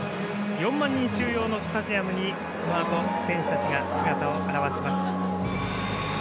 ４万人収容のスタジアムにこのあと選手たちが姿を現します。